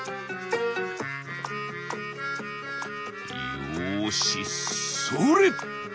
「よしそれ！